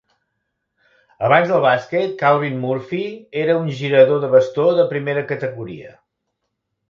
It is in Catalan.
Abans del bàsquet, Calvin Murphy era un girador de bastó de primera categoria.